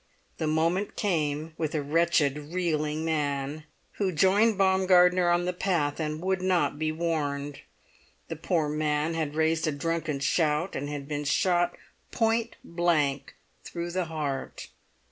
The moment came with a wretched reeling man who joined Baumgartner on the path, and would not be warned. The poor man had raised a drunken shout and been shot pointblank through the heart.